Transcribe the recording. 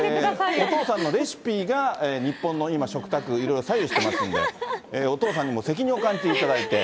お父さんのレシピが日本の今、食卓、いろいろ左右してますんで、お父さんにも責任を感じていただいて。